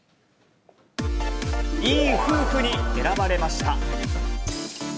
いい夫婦に選ばれました。